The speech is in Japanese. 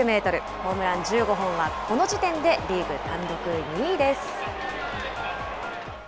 ホームラン１５本はこの時点でリーグ単独２位です。